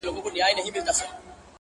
توري جامې ګه دي راوړي دي، نو وایې غونده،